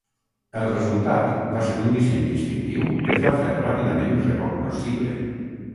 El resultat va ser un disseny distintiu que es va fer ràpidament recognoscible.